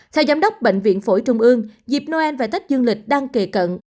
theo giám đốc bệnh viện phổi trung ương dịp noel và tết dương lịch đang kề cận